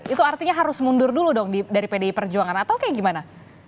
itu artinya harus mundur dulu dong dari pdi perjuangan atau kayak gimana